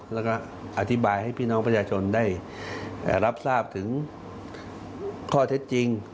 แล้วก็อธิบายให้พี่น้องประชาชนได้รับทราบถึงข้อเท็จจริง